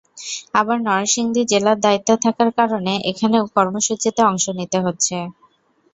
আবার নরসিংদী জেলার দায়িত্বে থাকার কারণে এখানেও কর্মসূচিতে অংশ নিতে হচ্ছে।